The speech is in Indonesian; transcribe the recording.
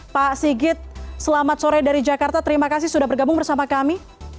pak sigit selamat sore dari jakarta terima kasih sudah bergabung bersama kami